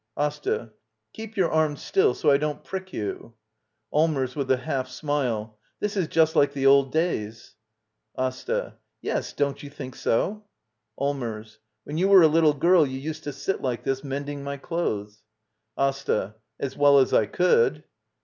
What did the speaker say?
] AsTA. Keep your arm still — so I don't prick you. Allmers. [With a half smile.] This is just like the old days. AsTA. Yes, don't you think so? Allmers. When you were a little girl you used to sit like this, mending my clothes. AsTA. As well as I could.